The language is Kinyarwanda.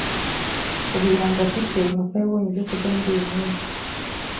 ubuyanja afite nuko yabonye ibyo kurya muri iyi minsi